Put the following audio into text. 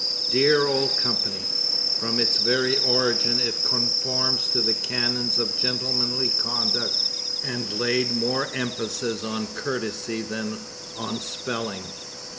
Dear old Company! From its very origin it conformed to the canons of gentlemanly conduct and laid more emphasis on courtesy than on spelling.